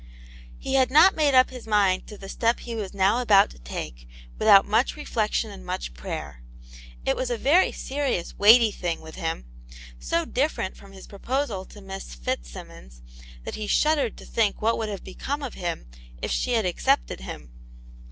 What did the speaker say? He had not made up his mind to the step he was tK>w about to take without much reflection and much pra_yer. It was a very serious, weighty thing with hiih; so different from his proposal to Miss Fitzsimmons that he shuddered to think what would have become of him if she had accepted him.